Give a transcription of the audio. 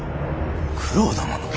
九郎殿の？